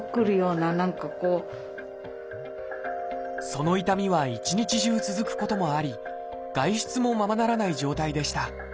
その痛みは一日中続くこともあり外出もままならない状態でした。